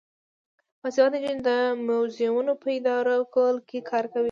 باسواده نجونې د موزیمونو په اداره کولو کې کار کوي.